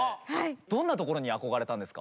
どんなところに憧れたんですか？